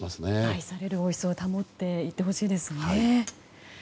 愛される王室を保っていってほしいですね。